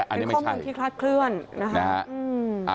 เป็นข้อมูลที่คลัดเคลื่อนนะครับ